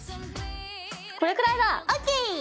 これくらいだ！ＯＫ！